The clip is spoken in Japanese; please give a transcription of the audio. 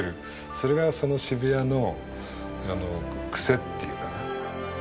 それがその渋谷のクセっていうかな。